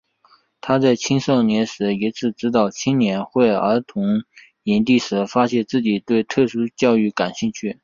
他在青少年时一次指导青年会儿童营地时发现自己对特殊教育感兴趣。